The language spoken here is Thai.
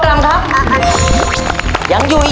หนึ่งหมื่น